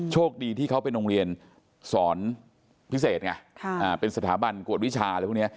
โชคดีที่เขาเป็นโรงเรียนสอนพิเศษไงเป็นสถาบันกวดวิชาอะไรพวกนี้